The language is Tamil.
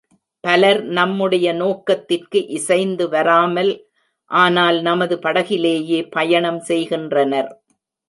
பலர் நம்முடைய நோக்கத்திற்கு இசைந்து வராமல் ஆனால் நமது படகிலேயே பயணம் செய்கின்றனர்.